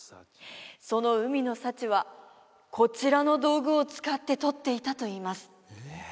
その海の幸はこちらの道具を使ってとっていたといいます